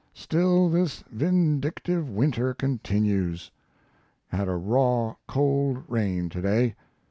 Still this vindictive winter continues. Had a raw, cold rain to day.